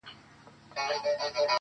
• خو مخته دي ځان هر ځلي ملنگ در اچوم.